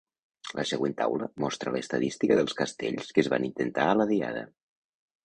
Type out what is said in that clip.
La següent taula mostra l'estadística dels castells que es van intentar a la diada.